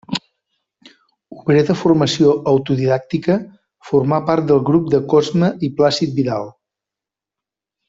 Obrer de formació autodidàctica, formà part del grup de Cosme i Plàcid Vidal.